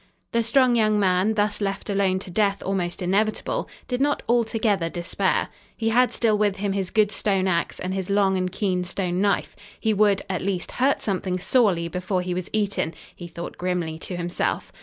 The strong young man, thus left alone to death almost inevitable, did not altogether despair. He had still with him his good stone ax and his long and keen stone knife. He would, at least, hurt something sorely before he was eaten, he thought grimly to himself.